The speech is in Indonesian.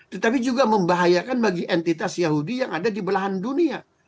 tetapi juga membahayakan bagi entitas yahudi yang ada di belahan dunia